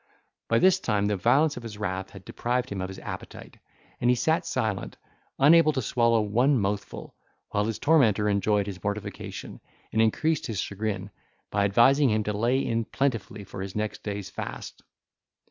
By this time the violence of his wrath had deprived him of his appetite, and he sat silent, unable to swallow one mouthful, while his tormentor enjoyed his mortification, and increased his chagrin, by advising him to lay in plentifully for his next day's fast.